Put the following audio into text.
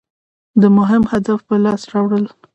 د مهم هدف په لاس راوړل.